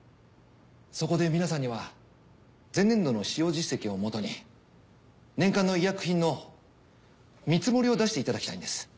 そこで皆さんには前年度の使用実績をもとに年間の医薬品の見積もりを出していただきたいんです。